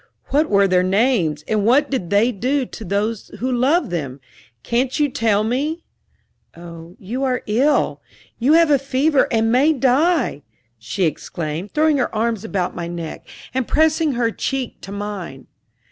What were their names, and what did they do to those who loved them can't you tell me?" "Oh, you are ill you have a fever and may die!" she exclaimed, throwing her arms about my neck and pressing her cheek to mine.